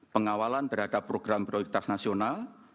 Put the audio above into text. empat pengawalan berhadap program prioritas nasional